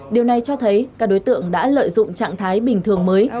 điều này cho thấy các đối tượng đã lợi dụng trạng thái bình thường mới